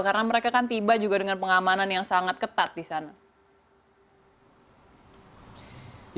karena mereka kan tiba juga dengan pengamanan yang sangat ketat di sana